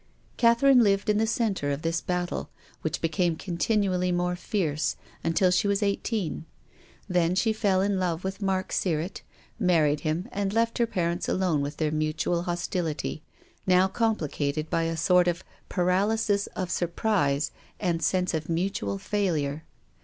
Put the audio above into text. Catherine lived in the centre of this battle, which became continually more fierce, un til she was eighteen. Then she fell in love with Mark Sirrett, married him, and left her parents alone with their mutual hostility, now compli cated by a sort of paralysis of surprise and sense of mutual failure.